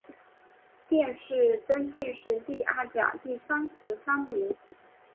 殿试登进士第二甲第三十三名。